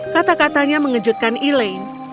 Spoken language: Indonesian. kata katanya mengejutkan elaine